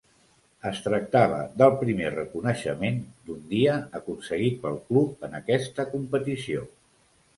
Es tractava del primer reconeixement d'un dia aconseguit pel club en aquesta competició.